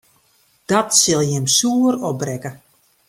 Dat sil jim soer opbrekke.